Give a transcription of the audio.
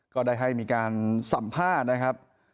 ก็ได้ให้มีการสัมภาษณ์นะครับ